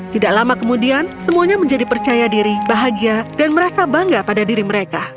tidak lama kemudian semuanya menjadi percaya diri bahagia dan merasa bangga pada diri mereka